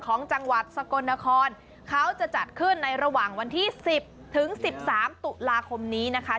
ของจังหวัดสกลนครเขาจะจัดขึ้นในระหว่างวันที่สิบถึงสิบสามตุลาคมนี้นะคะ